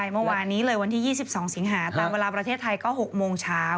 เมื่อวานนี้เลยวันที่๒๒สิงหาตามเวลาประเทศไทยก็๖โมงเช้า